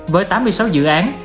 với tám mươi sáu dự án